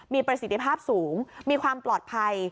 มีประสิทธิภาพสูงมีความปลอดภัย